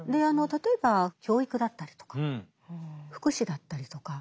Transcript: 例えば教育だったりとか福祉だったりとか大きいところですね。